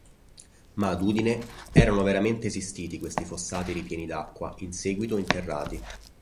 Ma ad Udine erano veramente esistiti questi fossati ripieni d'acqua, in seguito interrati.